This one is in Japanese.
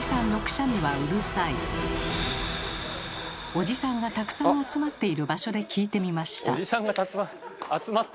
おじさんがたくさん集まっている場所で聞いてみました。